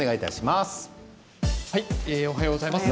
おはようございます。